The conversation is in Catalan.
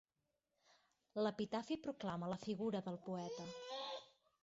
L'epitafi proclama la figura del poeta.